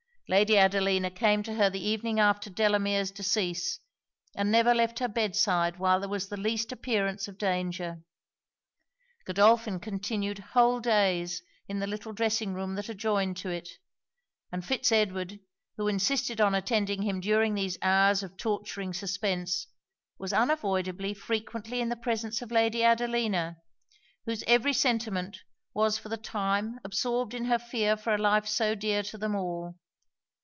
Lady Adelina came to her the evening after Delamere's decease, and never left her bed side while there was the least appearance of danger; Godolphin continued whole days in the little dressing room that adjoined to it; and Fitz Edward, who insisted on attending him during these hours of torturing suspence, was unavoidably frequently in the presence of Lady Adelina, whose every sentiment was for the time absorbed in her fear for a life so dear to them all.